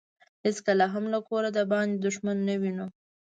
هیڅکله هم له کوره دباندې دښمن نه وينو.